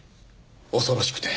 恐ろしくて。